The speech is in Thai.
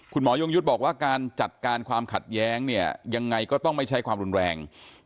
ยงยุทธ์บอกว่าการจัดการความขัดแย้งเนี่ยยังไงก็ต้องไม่ใช้ความรุนแรง